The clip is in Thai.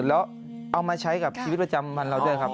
แล้วเอามาใช้กับชีวิตประจำวันเราด้วยครับ